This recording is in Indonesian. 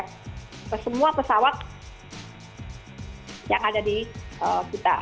ke semua pesawat yang ada di kita